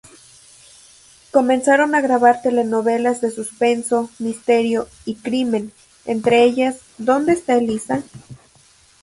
Comenzaron a grabar telenovelas de suspenso, misterio y crimen, entre ellas: "¿Dónde está Elisa?